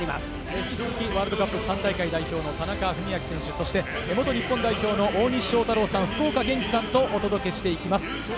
引き続きワールドカップ３大会代表の田中選手、そして元日本代表の大西さん、福岡さんとお届けします。